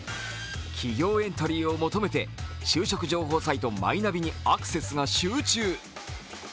企業エントリーを求めて就職情報サイト、マイナビにアクセスが集中。